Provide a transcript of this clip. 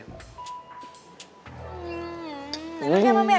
sebaiknya dipeksa lebih lanjut lagi